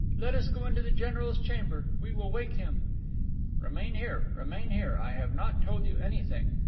Let us go into the general's chamber. We will wake him." "Remain here. Remain here. I have not told you anything.